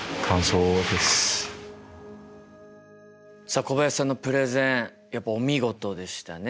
さあ小林さんのプレゼンやっぱお見事でしたね。